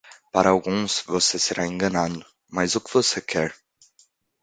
Para alguns, você será enganado, mas o que você quer?